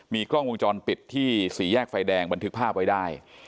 มีกล้องวงจรปิดที่สี่แยกไฟแดงบันทึกภาพไว้ได้